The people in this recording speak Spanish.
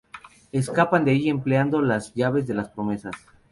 Escapan de ahí empleando la llave de las promesas.